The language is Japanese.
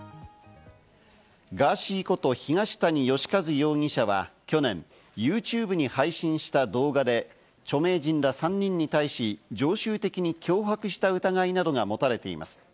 ガーシーこと東谷義和容疑者は去年、ＹｏｕＴｕｂｅに配信した動画で、著名人ら３人に対し、常習的に脅迫した疑いなどが持たれています。